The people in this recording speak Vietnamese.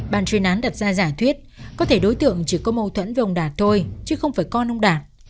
bàn chuyên án đặt ra giả thuyết có thể đối tượng chỉ có mâu thuẫn với ông đạt thôi chứ không phải con ông đạt